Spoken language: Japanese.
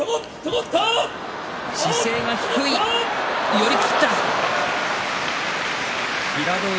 寄り切った、平戸海。